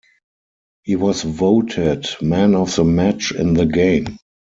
He was voted Man of the Match in the game.